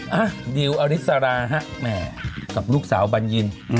และดิลอลิซาร่ากรจะถึงลูกสาวกับบรรยิน